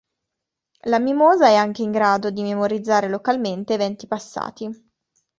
La mimosa è anche in grado di memorizzare localmente eventi passati.